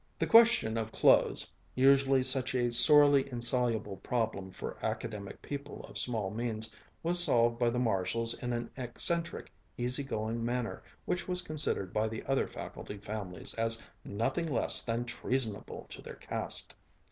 The question of clothes, usually such a sorely insoluble problem for academic people of small means, was solved by the Marshalls in an eccentric, easy going manner which was considered by the other faculty families as nothing less than treasonable to their caste.